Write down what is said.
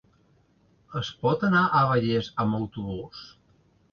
Es pot anar a Vallés amb autobús?